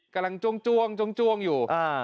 กำลังจ้วงอยู่